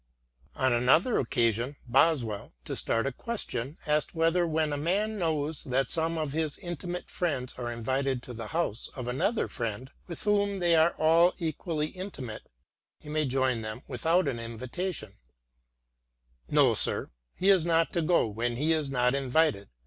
X On another occasion Boswell, to start a question, asked whether when a man knows that some of his intimate friends are invited to the house of another friend, with whom they are all equally intimate, he may join them without an invitation :" No, sir, he is not to go when he is not invited.